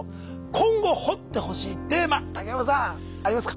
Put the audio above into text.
今後掘ってほしいテーマ竹山さんありますか？